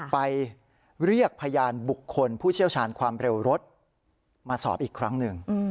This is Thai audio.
ไปเรียกพยานบุคคลผู้เชี่ยวชาญความเร็วรถมาสอบอีกครั้งหนึ่ง